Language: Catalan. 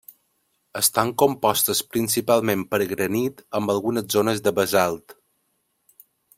Estan compostes principalment per granit amb algunes zones de basalt.